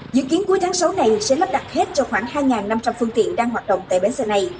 dự kiến cuối tháng sáu này sẽ lắp đặt hết cho khoảng hai năm trăm linh phương tiện đang hoạt động tại bến xe này